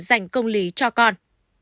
dành công lý cho con